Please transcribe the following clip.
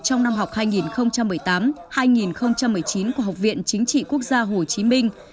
trong năm học hai nghìn một mươi tám hai nghìn một mươi chín của học viện chính trị quốc gia hồ chí minh